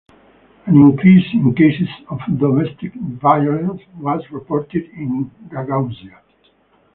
An increase in cases of domestic violence was reported in Gagauzia.